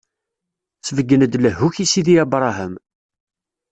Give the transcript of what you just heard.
Sbeggen-d lehhu-k i sidi Abṛaham.